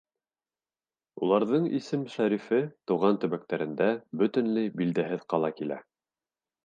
Уларҙың исем-шәрифе тыуған төбәктәрендә бөтөнләй билдәһеҙ ҡала килә.